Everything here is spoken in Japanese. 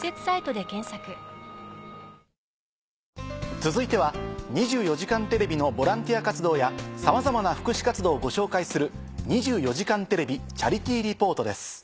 続いては『２４時間テレビ』のボランティア活動やさまざまな福祉活動をご紹介する。